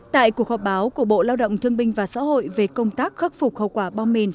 tại cuộc họp báo của bộ lao động thương binh và xã hội về công tác khắc phục hậu quả bom mìn